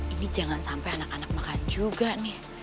ini jangan sampai anak anak makan juga nih